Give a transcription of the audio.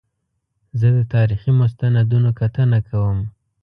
زه د تاریخي مستندونو کتنه کوم.